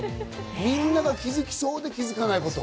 みんなが気づきそうで気づかないことを。